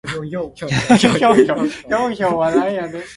灶跤鳥鼠